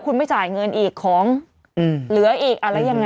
คุณไปจ่ายเงินอีกของเหลืออีก